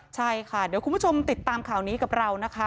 ใช่ค่ะเดี๋ยวคุณผู้ชมติดตามข่าวนี้กับเรานะคะ